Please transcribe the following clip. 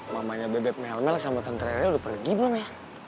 mamanya bebek mel mel sama tante rere udah pergi belum ya